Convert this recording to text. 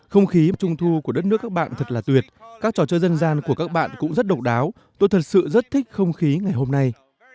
không khí trung thu của đất nước các bạn thật là tuyệt các trò chơi dân gian của các bạn cũng rất độc đáo tôi thật sự rất thích không khí ngày hôm nay